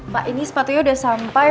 pak ini sepatunya sudah sampai